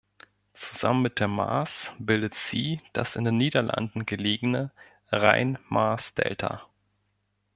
Zusammen mit der Maas bildet sie das in den Niederlanden gelegene Rhein-Maas-Delta.